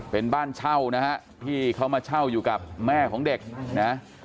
เป็นบ้านเช่านะฮะที่เขามาเช่าอยู่กับแม่ของเด็กนะ